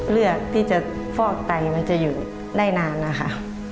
เลือกที่จะฟอกไตมันจะอยู่ได้นานนะคะ